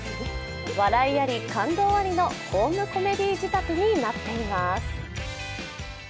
笑いあり感動ありのホームコメディー仕立てになっています。